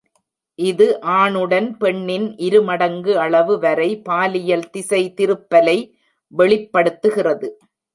இது ஆணுடன் பெண்ணின் இரு மடங்கு அளவு வரை பாலியல் திசைதிருப்பலை வெளிப்படுத்துகிறது.